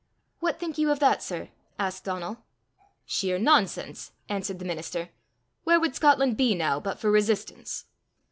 "What think you of that, sir?" asked Donal. "Sheer nonsense!" answered the minister. "Where would Scotland be now but for resistance?"